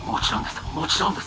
もちろんです